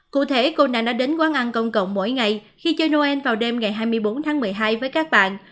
cụ thể cô này đã đến quán ăn công cộng mỗi ngày khi chơi noel vào đêm ngày hai mươi bốn tháng một mươi hai với các bạn